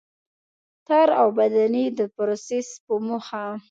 تار اوبدنې او د پروسس په موخه.